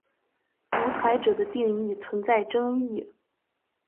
独裁者的定义存在争议。